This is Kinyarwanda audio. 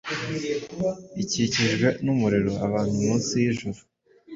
Ikikijwe numuriro abantu munsi yijuru